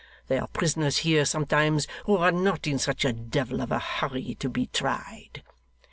There are prisoners here sometimes, who are not in such a devil of a hurry to be tried.